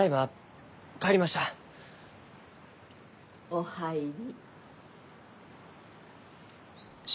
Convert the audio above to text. ・お入り。